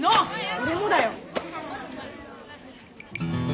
俺もだよ。